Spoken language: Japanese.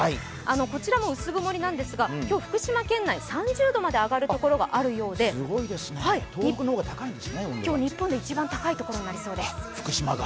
こちらも薄曇りなんですが今日の福島県内３０度まで上がる所があるようで今日、日本で一番高い所になりそうです。